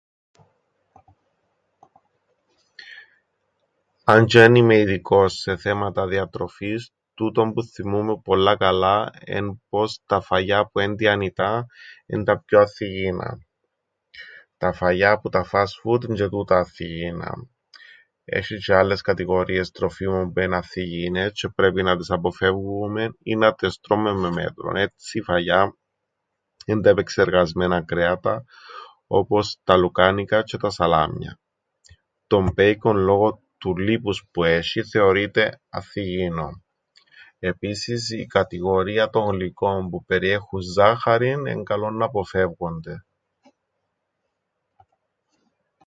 Αν τζ̆αι εν είμαι ειδικός σε θέματα διατροφής, τούτον που θθυμούμαι πολλά καλά εν' πως τα φαγιά που εν' τηανητά εν' τα πιο ανθυγιεινά. Τα φαγιά που τα φαστ φουντ εν' τζ̆αι τούτα ανθυγιεινά. Έσ̆ει τζ̆αι άλλες κατηγορίες τροφίμων που εν' ανθυγιεινές τζ̆αι πρέπει να τες αποφεύγουμεν ή να τες τρώμεν με μέτρον. Έτσι φαγιά εν' τα επεξεργασμένα κρέατα, όπως τα λουκάνικα τζ̆αι τα σαλάμια. Το μπέικον λόγον του λίπους που έσ̆ει θεωρείται ανθυγιεινόν. Επίσης, η κατηγορία των γλυκών που περιέχουν ζάχαρην εν' καλόν να αποφεύγονται.